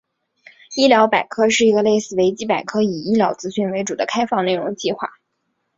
医疗百科是一个类似维基百科以医疗资讯为主的开放内容计划。